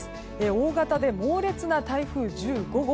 大型で猛烈な台風１５号